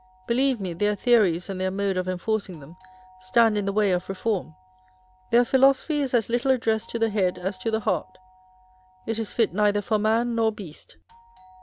Believe me, their theories and their mode of enforcing them stand in the way of reform : their philo sophy is as little addressed to the head as to the heart â€" it is fit neither for man nor beast.